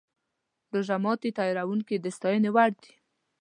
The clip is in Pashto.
روژه ماتي تیاروونکي د ستاینې وړ دي.